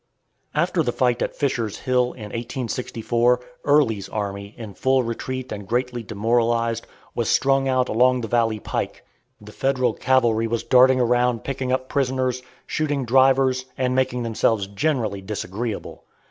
After the fight at Fisher's Hill, in 1864, Early's army, in full retreat and greatly demoralized, was strung out along the valley pike. The Federal cavalry was darting around picking up prisoners, shooting drivers, and making themselves generally disagreeable.